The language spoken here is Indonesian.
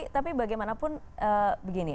tapi bagaimanapun begini